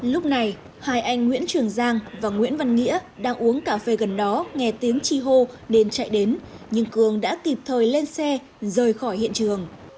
lúc này hai anh nguyễn trường giang và nguyễn văn nghĩa đang uống cà phê gần đó nghe tiếng chi hô nên chạy đến nhưng cường đã kịp thời lên xe rời khỏi hiện trường